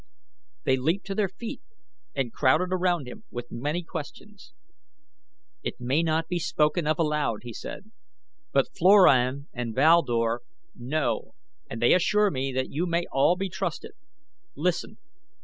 They leaped to their feet and crowded around him with many questions. "It may not be spoken of aloud," he said; "but Floran and Val Dor know and they assure me that you may all be trusted. Listen!